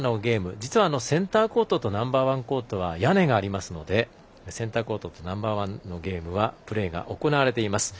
実は、センターコートとナンバーワンコートは屋根がありますのでセンターコートとナンバーワンのゲームはプレーが行われています。